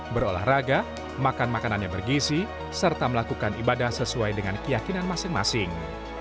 berolahraga makan makanannya bergisi serta melakukan ibadah sesuai dengan keyakinan masing masing